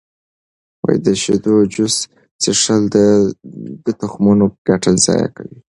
د شیدو جوس څښل د تخمونو ګټه ضایع کوي.